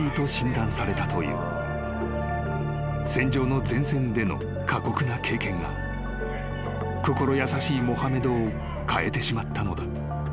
［戦場の前線での過酷な経験が心優しいモハメドを変えてしまったのだ］